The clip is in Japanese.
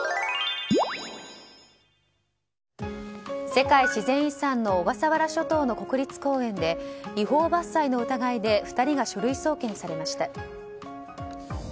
世界自然遺産の小笠原諸島の国立公園で違法伐採の疑いで２人が書類送検されました。